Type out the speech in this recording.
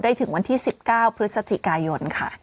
ถึงวันที่๑๙พฤศจิกายนค่ะ